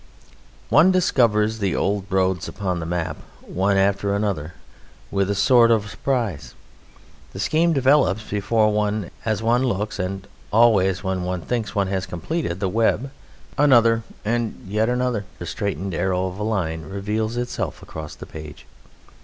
One discovers the old roads upon the map, one after the other, with a sort of surprise. The scheme develops before one as one looks, and always when one thinks one has completed the web another and yet another straight arrow of a line reveals itself across the page.